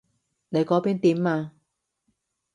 你嗰邊點啊？